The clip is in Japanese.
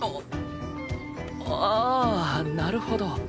ああなるほど。